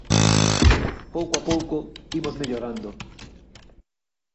Pouco a pouco imos mellorando.